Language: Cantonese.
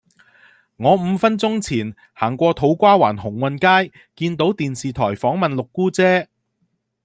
我五分鐘前行過土瓜灣鴻運街見到電視台訪問六姑姐